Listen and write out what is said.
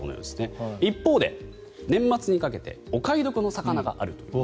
一方で年末にかけてお買い得な魚があると。